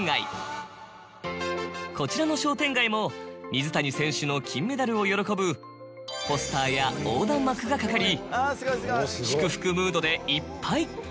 こちらの商店街も水谷選手の金メダルを喜ぶポスターや横断幕が掛かり祝福ムードでいっぱい。